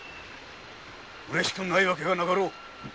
うれしくない訳はなかろう。